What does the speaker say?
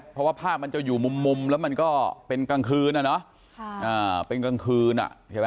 เพราะว่าภาพมันจะอยู่มุมแล้วมันก็เป็นกลางคืน